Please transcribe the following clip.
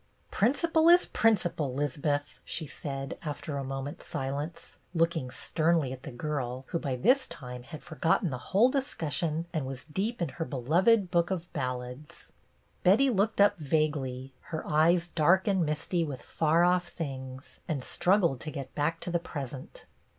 " PrinciiDle is principle, 'Lizbeth," she said, after a moment's silence, looking sternly at the girl, who by this time had forgotten the whole discussion and was deep in her beloved book of ballads. Betty looked up vaguely, her eyes dark and misty with far off things, and struggled to get back to the present.